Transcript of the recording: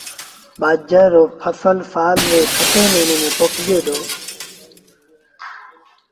ٻآجھر رو ڦسل سآل ري ستيٚن موهيݩي ميݩ پوکيو وهي دو۔